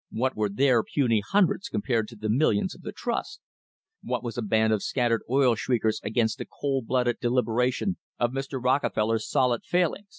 What were their puny hundreds compared to the millions of the trust? What was a band of scattered "oil shriekers" against the cold blooded deliberation of Mr. Rockefeller's solid pha lanx?